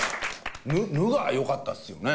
「ぬ」がよかったですよね？